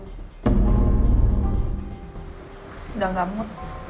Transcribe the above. udah gak mau